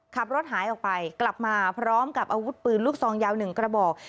ขับรถหายออกไปกลับมาพร้อมกับอาวุธปืนลูกซองยาว๑กระบอก